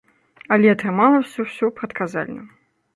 Але атрымалася ўсё прадказальна.